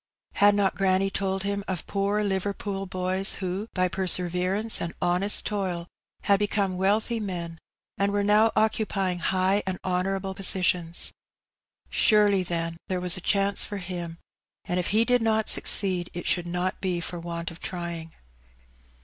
Had not granny told him of poor Liverpool boys who, by perseverance and honest toil, had become wealthy men, and were now occupying high and honourable positions? Surely, then, there was a chance for him, and if he did not succeed it should not be for want of trying.